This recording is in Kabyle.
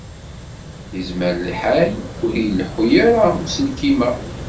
Yezmer lḥal ur ileḥḥu ara uselkim-a.